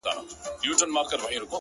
o پرون دي بيا راته غمونه راكړل،